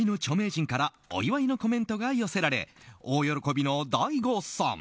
人からお祝いのコメントが寄せられ大喜びのＤＡＩＧＯさん。